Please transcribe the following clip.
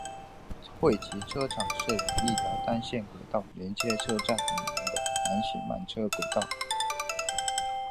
汇集车厂设有一条单线轨道连接车站以南的南行慢车轨道。